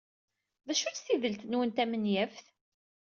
D acu-tt tidelt-nwen tamenyaft?